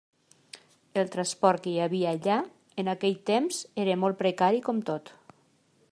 El transport que hi havia allà en aquell temps era molt precari, com tot.